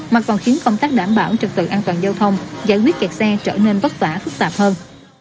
mà còn khiến công tác đảm bảo trực tự an toàn giao thông giải quyết kẹt xe trở nên vất vả phức tạp hơn